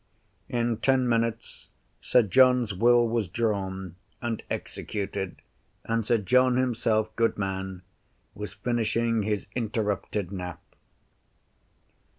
In ten minutes, Sir John's Will was drawn, and executed, and Sir John himself, good man, was finishing his interrupted nap.